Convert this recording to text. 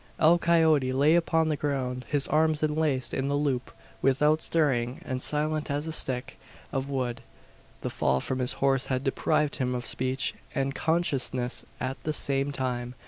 El Coyote lay upon the ground, his arms enlaced in the loop, without stirring, and silent as a stick of wood. The fall from his horse had deprived him of speech, and consciousness at the same time.